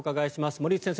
森内先生